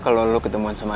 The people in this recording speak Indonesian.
emang kak ravel tau apa aja